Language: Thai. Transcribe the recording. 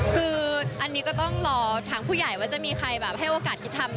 คืออันนี้ก็ต้องรอทางผู้ใหญ่ว่าจะมีใครแบบให้โอกาสคิดทำ